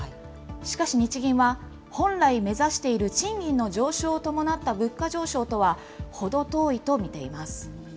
しかし、日銀は本来目指している賃金の上昇を伴った物価上昇とは程遠いと見ています。